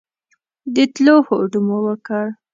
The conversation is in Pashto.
د تلو هوډ مو وکړ.